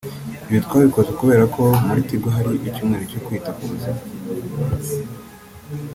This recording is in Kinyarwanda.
ibi twabikoze kubera ko muri Tigo harimo icyumweru cyo kwita ku buzima